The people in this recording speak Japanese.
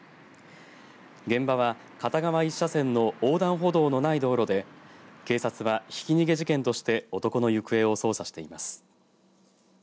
現場は片側１車線の横断歩道のない道路で警察はひき逃げ事件として男の行方を捜査しています。